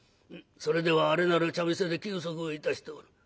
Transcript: それではあれなる茶店で休息をいたしておる。